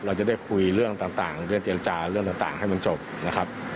เราจะได้คุยเรื่องต่างเพื่อเจรจาเรื่องต่างให้มันจบนะครับ